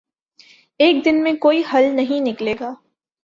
ایک دن میں کوئی حل نہیں نکلے گا۔